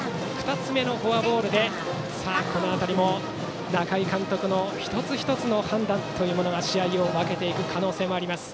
２つ目のフォアボールでこの辺りも、仲井監督の一つ一つの判断が試合を分けていく可能性もあります。